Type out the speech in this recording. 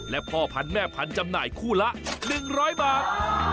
และพ่อพันธุ์แม่พันธุ์จำหน่ายคู่ละ๑๐๐บาท